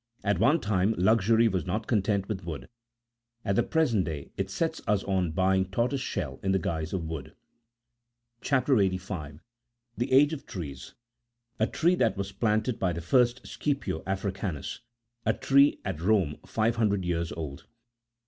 At one time luxury was not content with wood ; at the present day it sets us on buying tortoise shell in the guise of wood. CHAP. 85. (44.) — THE AGE OF TREES. A ^TREE THAT WAS PLANTED BY THE EIEST SCIPIO AFRICANTJS. A TREE AT ROME EIVE HUNDRED TEARS OLD.